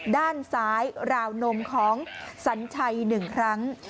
ด้านซ้ายราวนมของสัญชัย๑ครั้ง